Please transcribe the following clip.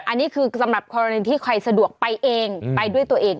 อันนี้คือสำหรับกรณีที่ใครสะดวกไปเองไปด้วยตัวเอง